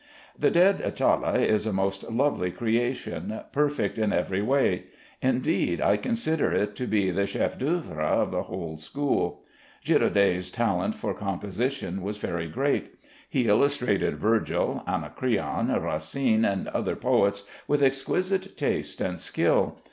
The dead Atala is a most lovely creation, perfect in every way. Indeed, I consider it to be the chef d'œuvre of the whole school. Girodet's talent for composition was very great. He illustrated Virgil, Anacreon, Racine, and other poets with exquisite taste and skill.